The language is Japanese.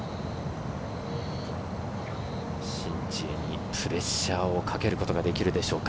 シン・ジエにプレッシャーをかけることができるでしょうか？